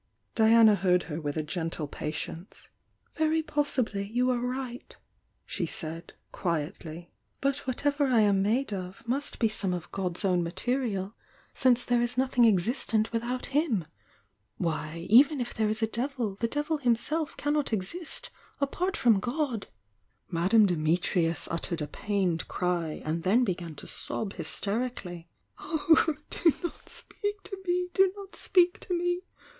Diana heard her with a gentle pat' mce. ''Very possibly you are right," she said, quietly. "But whatever I am made of must be some of God's THE YOUNG DIANA 815 own matT'al, since there is notliing existent with out F/'iii Why, even if there is a devil, the devil himsi 'f cannot ex^it apart from God!" Mtianie Diiniirius uttered a pained cry, and then began to ^ob hysterically. "Oh, do not speal: to me, do not speak to me!"